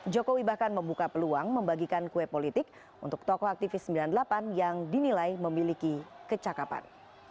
jokowi bahkan membuka peluang membagikan kue politik untuk tokoh aktivis sembilan puluh delapan yang dinilai memiliki kecakapan